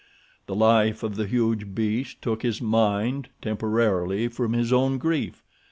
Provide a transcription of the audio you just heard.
The life of the huge beasts took his mind, temporarily from his own grief.